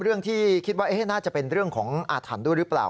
เรื่องที่คิดว่าน่าจะเป็นเรื่องของอาถรรพ์ด้วยหรือเปล่า